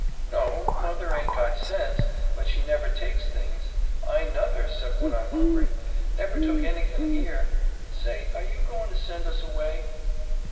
"No. Mother aint got sense, but she never takes things. I nuther 'cept when I'm hungry. Never took anything here. Say, are you goin' to send us away?'